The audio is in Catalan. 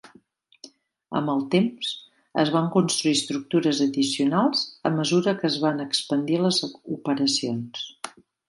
Amb el temps, es van construir estructures addicionals a mesura que es van expandir les operacions.